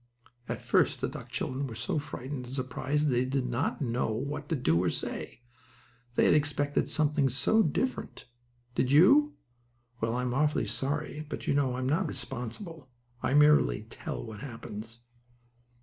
At first the duck children were so frightened and surprised that they did not know what to do or say. They had expected something so different. Did you? Well, I'm awfully sorry, but you know I'm not responsible. I merely tell what happens.